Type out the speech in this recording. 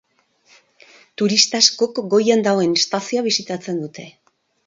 Turista asko goian dagoen estazioa bisitatzen dute.